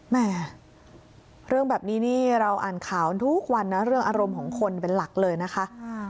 แม่เรื่องแบบนี้นี่เราอ่านข่าวทุกวันนะเรื่องอารมณ์ของคนเป็นหลักเลยนะคะ